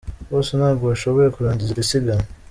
Bose ntabwo bashoboye kurangiza iri siganwa.